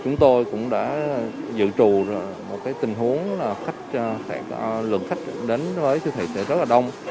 chúng tôi cũng đã dự trù một tình huống khách lượng khách đến với siêu thị sẽ rất là đông